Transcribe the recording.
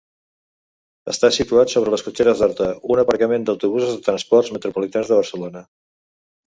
Està situat sobre les Cotxeres d'Horta, un aparcament d'autobusos de Transports Metropolitans de Barcelona.